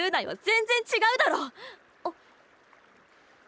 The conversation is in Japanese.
全然違うだろ！